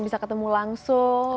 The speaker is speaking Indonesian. bisa ketemu langsung